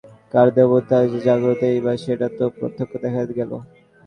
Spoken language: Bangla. কার দেবতা যে জাগ্রত এইবার সেটা তো প্রত্যক্ষ দেখা গেল।